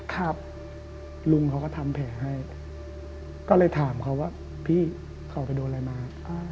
ครับลุงเขาก็ทำแผลให้ก็เลยถามเขาว่าพี่เขาไปโดนอะไรมา